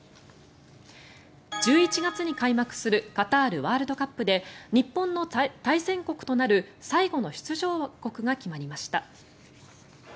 １１月に開幕するカタールワールドカップで日本の対戦国となる最後の出場国が決まりました。